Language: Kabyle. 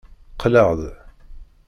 Qqleɣ-d.